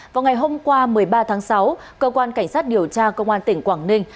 vào ngày hôm qua một mươi ba tháng sáu cơ quan cảnh sát điều tra công an tỉnh quảng ninh